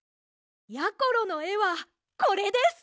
やころのえはこれです！